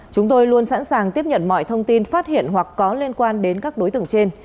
chúng tôi luôn sẵn sàng tiếp nhận mọi thông tin phát hiện hoặc có liên quan đến các đối tượng trên